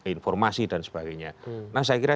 informasi dan sebagainya nah saya kira